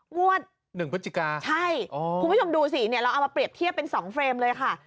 งวด๑พฤศจิกาใช่คุณผู้ชมดูสิเนี่ยเราเอามาเปรียบเทียบเป็น๒เฟรมเลยค่ะ